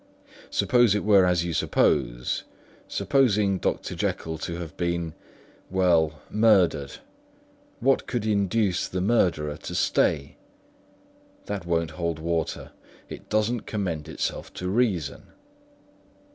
"Suppose it were as you suppose, supposing Dr. Jekyll to have been—well, murdered, what could induce the murderer to stay? That won't hold water; it doesn't commend itself to reason."